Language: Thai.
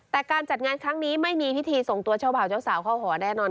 แต่การจัดงานครั้งนี้ไม่มีพิธีส่งตัวเจ้าบ่าวเจ้าสาวเข้าหอแน่นอน